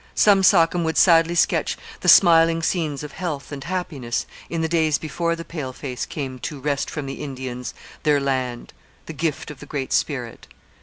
Some sachem would sadly sketch the smiling scenes of health and happiness in the days before the pale face came to wrest from the Indians their land, the gift of the Great Spirit.